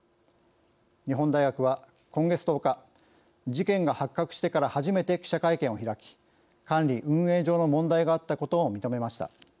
日本大学は、今月１０日事件が発覚してから初めて記者会見を開き管理・運営上の問題があったことを認めました。